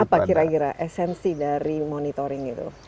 apa kira kira esensi dari monitoring itu